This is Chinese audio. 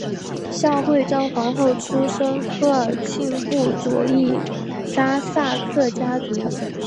孝惠章皇后出身科尔沁部左翼扎萨克家族。